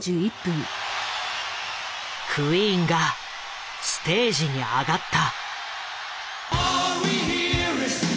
クイーンがステージに上がった。